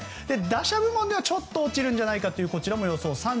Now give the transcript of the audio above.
打者部門でも、ちょっと落ちるんじゃないかという予想。